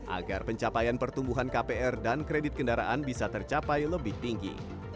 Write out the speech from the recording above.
agar pencapaian pertumbuhan kpr dan kredit kendaraan bisa tercapai lebih tinggi